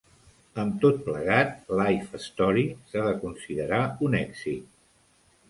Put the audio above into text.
Amb tot plegat, "Life Story" s'ha de considerar un èxit.